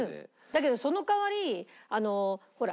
だけどその代わりほら